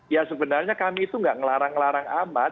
ya sebenarnya kami itu nggak ngelarang ngelarang amat